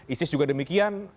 isis juga demikian